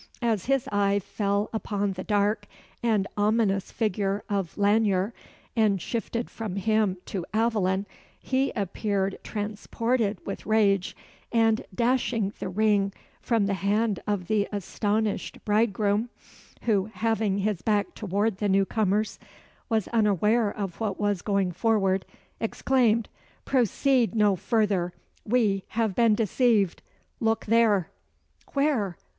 As his eye fell upon the dark and ominous figure of Lanyere, and shifted from him to Aveline, he appeared transported with rage; and dashing the ring from the hand of the astonished bridegroom (who, having his back toward the newcomers, was unaware of what was going forward), exclaimed "Proceed no further! We have been deceived! Look there!" "Where?